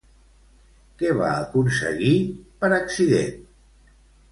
Què va aconseguir, per accident?